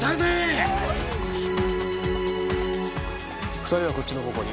２人はこっちの方向に。